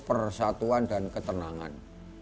persatuan dan ketenangan